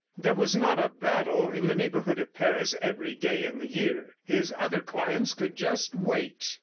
There was not a battle in the neighborhood of Paris every day in the year! His other clients could just wait.